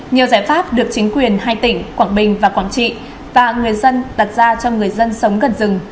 nhiều giải pháp được chính quyền hai tỉnh quảng bình và quảng trị và người dân đặt ra cho người dân sống gần rừng